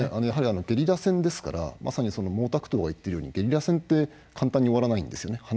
やはりゲリラ戦ですからまさに毛沢東が言っているようにゲリラ戦って簡単に終わらないんですよね。